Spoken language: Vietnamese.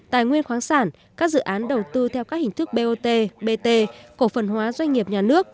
tài nguyên khoáng sản các dự án đầu tư theo các hình thức bot bt cổ phần hóa doanh nghiệp nhà nước